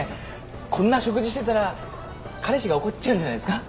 こんな食事してたら彼氏が怒っちゃうんじゃないすか？